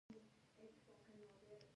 کباب وچ کلک خوراک دی.